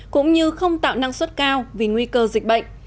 cũng như không tạo năng suất cao vì nguy cơ dịch bệnh